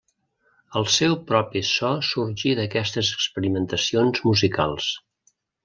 El seu propi so sorgí d'aquestes experimentacions musicals.